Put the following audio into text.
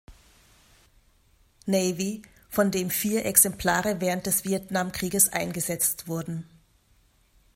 Navy, von dem vier Exemplare während des Vietnamkrieges eingesetzt wurden.